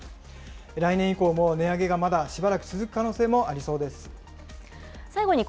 来年以降も値上げがまだしばらく続く可能性もありそうです。